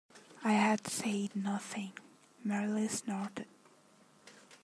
I had said nothing — merely snorted.